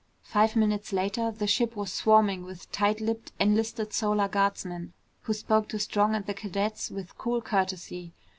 Five minutes later, the ship was swarming with tight lipped enlisted Solar Guardsmen, who spoke to Strong and the cadets with cool courtesy.